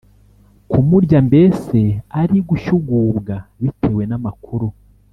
kumurya mbese ari gushyugubwa bitewe namakuru